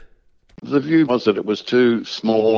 ketika itu terlalu kecil dan terpisah